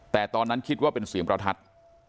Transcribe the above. แต่ตอนนั้นคิดว่าเป็นเสียงประทัด